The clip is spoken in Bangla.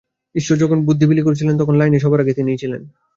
ঈশ্বর যখন বুদ্ধি বিলি করছিলেন, তখন লাইনে সবার আগে তিনিই ছিলেন।